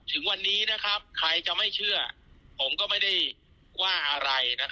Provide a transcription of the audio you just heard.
ถึงวันนี้นะครับใครจะไม่เชื่อผมก็ไม่ได้ว่าอะไร